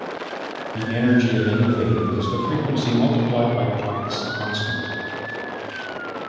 The energy of any wave is the frequency multiplied by Planck's constant.